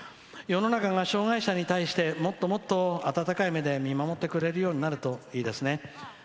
世の中が障害者に対してもっともっと温かい目で見守ってくれるようになるといいですね。